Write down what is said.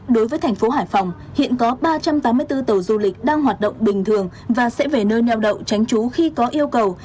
đối với thành phố hải phòng hiện có ba trăm tám mươi bốn tàu du lịch đang hoạt động bình thường và sẽ về nơi neo đậu tránh trú khi có yêu cầu